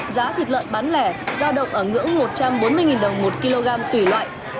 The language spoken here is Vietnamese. giá thịt lợn bán lẻ giao động ở ngưỡng một trăm bốn mươi đồng một kg tùy loại